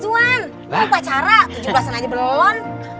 tuhan mau pacara tujuh belas an aja belum